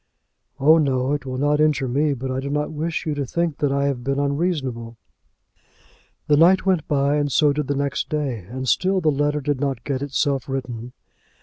"Oh, no; it will not injure me; but I do not wish you to think that I have been unreasonable." The night went by and so did the next day, and still the letter did not get itself written.